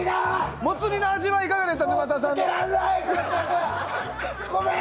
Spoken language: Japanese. モツ煮のお味はいかがでした？